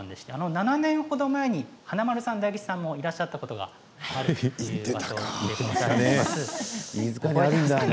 ７年ほど前に華丸さん大吉さんもいらっしゃったことがあるということですね。